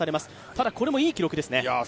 ただ、これもいい記録ですね。